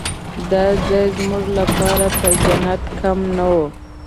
دا ځای زموږ لپاره تر جنت کم نه و.